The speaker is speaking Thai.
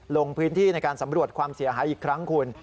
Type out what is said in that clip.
ลงพื้นที่ในการสำรวจความเสียหายอีกครั้งคุณ